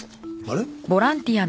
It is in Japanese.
あれ？